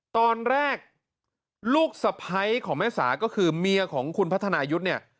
ตอนแรกลูกสะพ้ายของแม่สาก็คือเมียของคุณพัฒนายุทธ์เนี่ย